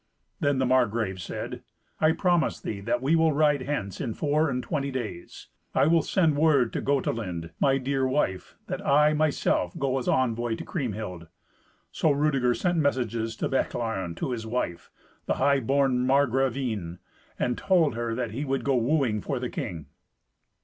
Then the Margrave said, "I promise thee that we will ride hence in four and twenty days. I will send word to Gotelind, my dear wife, that I, myself, go as envoy to Kriemhild." So Rudeger sent messengers to Bechlaren to his wife, the high born Margravine, and told her that he would go wooing for the king.